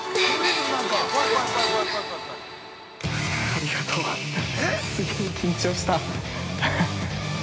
◆ありがとう、すげえ緊張した。